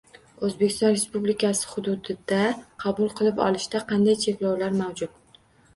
O‘zbekiston Respublikasi hududida qabul qilib olishda qanday cheklovlar mavjud?